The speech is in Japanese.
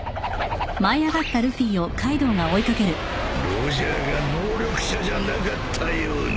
ロジャーが能力者じゃなかったように。